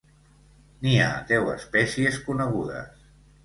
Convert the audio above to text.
N'hi ha deu espècies conegudes.